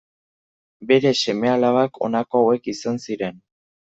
Bere seme-alabak, honako hauek izan ziren.